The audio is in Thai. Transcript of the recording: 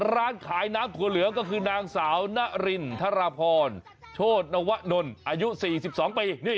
ร้านขายน้ำถั่วเหลืองก็คือนางสาวนารินทรพรโชธนวะนนท์อายุ๔๒ปี